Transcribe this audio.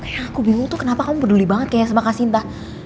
yang aku bingung tuh kenapa kamu peduli banget kayak sama kak sinta